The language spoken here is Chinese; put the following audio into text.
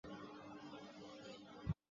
该报此后又有了较大发展。